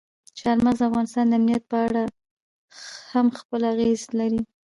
چار مغز د افغانستان د امنیت په اړه هم خپل اغېز لري.